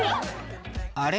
あれ？